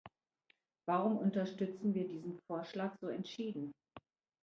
Warum unterstützen wir diesen Vorschlag so entschieden?